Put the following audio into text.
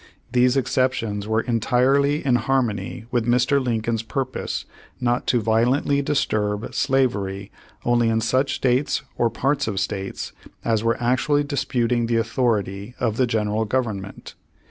These exceptions were entirely in harmony with Mr. Lincoln's pur pose not to violently disturb slavery only in such states, or parts of states, as were actually dis puting the authority of the General Government.